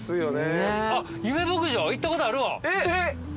えっ？